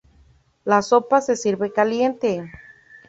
La sopa se sirve caliente.